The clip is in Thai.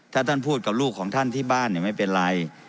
ถ้าท่านพูดกับลูกของท่านที่บ้านไม่เป็นไร